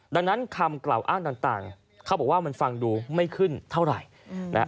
ดังนั้นคำกล่าวอ้างต่างเขาบอกว่ามันฟังดูไม่ขึ้นเท่าไหร่